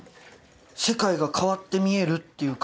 世界が変わって見えるっていうか。